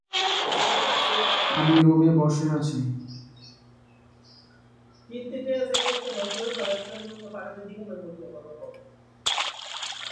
আমাদের জীবনকে মুক্ত রাখা উচিত এবং পুরো জীবন এবং এটা আমরা জানি।